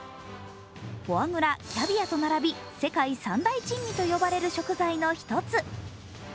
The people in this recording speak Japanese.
フォアグラ、キャビアと並び世界三大珍味と呼ばれる食材の一つ。